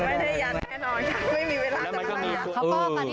ไม่ได้ยัดแน่นอนค่ะไม่มีเวลาจะทำได้